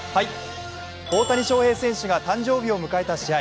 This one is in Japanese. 大谷翔平選手が誕生日を迎えた試合。